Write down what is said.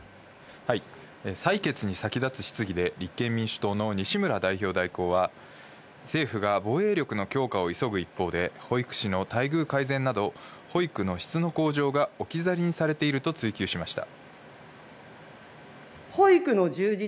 採決に先立つ質疑で、立憲民主党の西村代表代行は政府が防衛力の強化を急ぐ一方で、保育士の待遇改善など、保育の質の向上が置き去りにされていると追及しました。